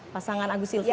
pasangan agus sylvi ini